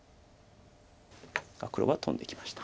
黒はトンできました。